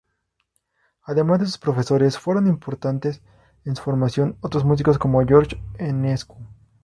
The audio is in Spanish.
Además de sus profesores, fueron importantes en su formación otros músicos, como George Enescu.